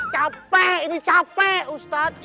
capek ini capek ustadz